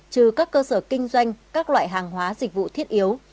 trừ các cơ sở kinh doanh các loại hàng hóa dịch vụ thiết yếu